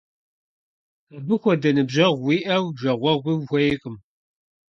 Абы хуэдэ ныбжьэгъу уиӏэу жэгъуэгъуи ухуейкъым.